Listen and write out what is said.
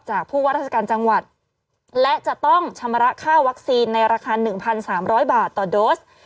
จากผู้ว่าราชการจังหวัดและจะต้องชำระค่าวัคซีนในราคาหนึ่งพันสามร้อยบาทต่อโดสด์